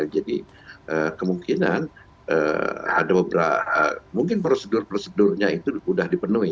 jadi kemungkinan ada beberapa mungkin prosedur prosedurnya itu sudah dipenuhi